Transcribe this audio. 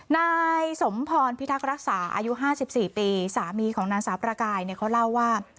นายสมพรพิธากรักษาอายุห้าสิบสี่ปีสามีของนางสาวประกายเนี้ยเขาเล่าว่า